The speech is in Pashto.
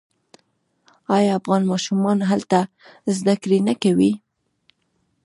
آیا افغان ماشومان هلته زده کړې نه کوي؟